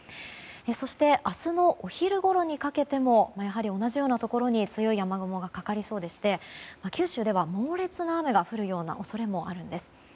そして明日のお昼ごろにかけても同じようなところに強い雨雲がかかりそうで九州では猛烈な雨が降るような恐れもあるんです。